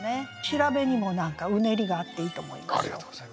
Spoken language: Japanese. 調べにも何かうねりがあっていいと思います。